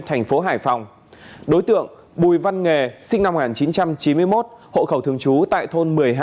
thành phố hải phòng đối tượng bùi văn nghề sinh năm một nghìn chín trăm chín mươi một hộ khẩu thường trú tại thôn một mươi hai